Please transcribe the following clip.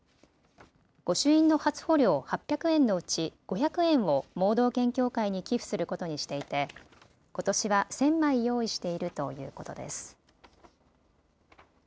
御朱印の初穂料８００円のうち５００円を盲導犬協会に寄付することにしていてことしは１０００枚用意しているということです。